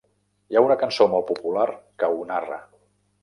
Hi ha una cançó molt popular que ho narra.